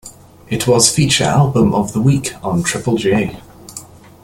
It was Feature Album of the Week on Triple J.